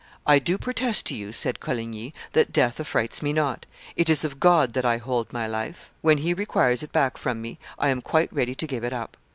"I do protest to you," said Coligny, "that death affrights me not; it is of God that I hold my life; when He requires it back from me, I am quite ready to give it up.